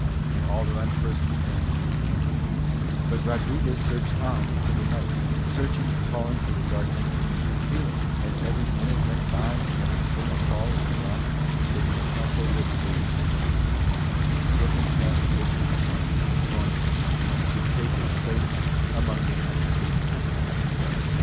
And Alderon first returned to the encampment; but Rodriguez searched on into the night, searching and calling through the darkness, and feeling, as every minute went by and every faint call of Morano, that his castle was fading away, slipping past oak tree and thorn bush, to take its place among the unpitying stars.